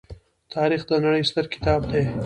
تاریخ د نړۍ ستر کتاب دی.